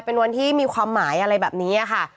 เป็นวันที่มีความหมายอะไรแบบนี้ค่ะ